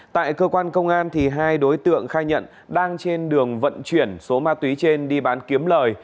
tại cơ quan công an hai đối tượng khai nhận đang trên đường vận chuyển số ma túy trên đi bán kiếm lời